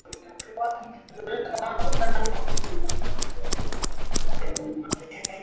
Kikosi hicho ni sehemu ya idadi kubwa ya wanajeshi elfu tano wa Marekani waliotumwa Poland.